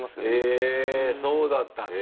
えっそうだったんだ。